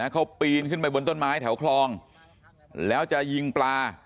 เขาปีนขึ้นไปบนต้นไม้แถวคลองแล้วจะยิงปลา